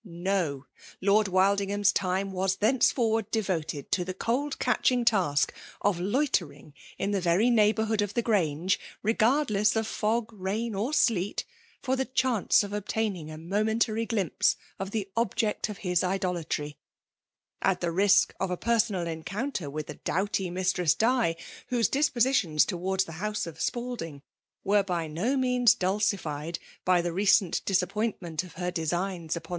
No! Lord WiMinghama time waa thenceforward devoted to the coU oaldUng task of loitering in the very neigfabonrfaood of the Grange, regardless of fog* raia» or aleet» fer the chance of obtaining a momea^tnj glimpse of the object of his idolatry ; ^at the risk of a personal encounter with the doughty Mistress Di> whose dispositkmB towards the house of Spalding were by no means dakificd by the recent disappomtment of her desigaa mic^LB ocmiifATioN.